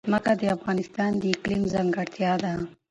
ځمکه د افغانستان د اقلیم ځانګړتیا ده.